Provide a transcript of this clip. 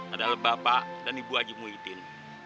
adalah bapak dan ibu haji muhyiddin